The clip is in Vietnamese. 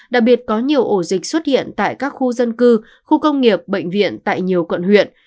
đặc biệt có nhiều ổ dịch xuất hiện tại các khu dân cư khu công nghiệp bệnh viện tại nhiều quận huyện